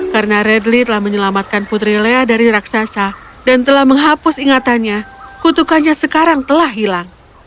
karena radly telah menyelamatkan putri lea dari raksasa dan telah menghapus ingatannya kutukannya sekarang telah hilang